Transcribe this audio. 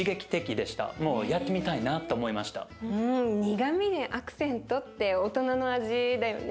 苦みでアクセントって大人の味だよね。